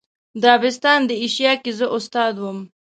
دبستان د ایشیا که زه استاد وم.